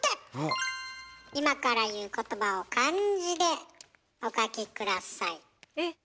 今から言う言葉を漢字でお書き下さい。